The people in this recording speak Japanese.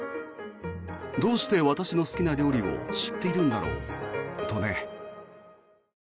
どうして私の好きな料理を知っているんだろうとね。